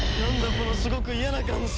このすごく嫌な感じ。